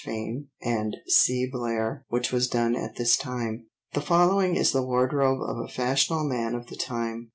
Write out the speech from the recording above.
Fane, and C. Blair which was done at this time. The following is the wardrobe of a fashionable man of the time.